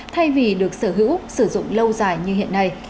thay vì được sở hữu sử dụng lâu dài như hiện nay